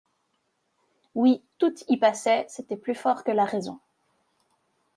Oui, toutes y passaient, c’était plus fort que la raison.